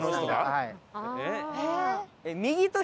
はい。